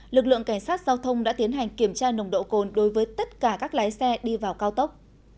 lực lượng cảnh sát giao thông đã tiến hành kiểm tra nồng độ cồn đối với tất cả các lái xe đi vào cao tốc